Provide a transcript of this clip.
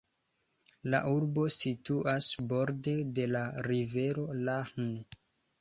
La urbo situas borde de la rivero Lahn.